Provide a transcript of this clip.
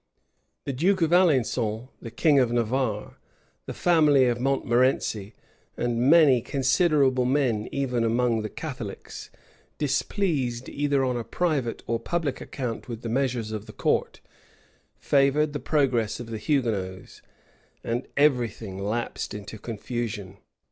The duke of Alençon, the king of Navarre, the family of Montmorency, and many considerable men even among the Catholics, displeased, either on a private or public account, with the measures of the court, favored the progress of the Hugonots; and every thing relapsed into confusion.